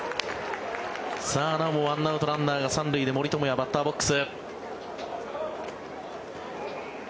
なおも１アウトランナーが３塁で森友哉がバッターボックス。